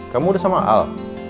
kamu udah sama al